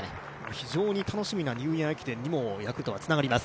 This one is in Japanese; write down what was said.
非常に楽しみなニューイヤー駅伝にもヤクルトはつながります。